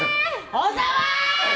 小沢！